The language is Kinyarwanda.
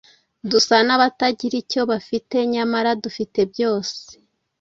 dusa n’abatagira icyo bafite nyamara dufite byose.